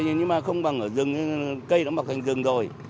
nhưng mà không bằng ở rừng cây nó mọc thành rừng rồi